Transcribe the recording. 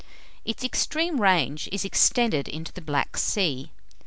Its extreme range is extended into the Black Sea.